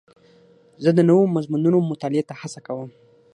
زه د نوو مضمونونو مطالعې ته هڅه کوم.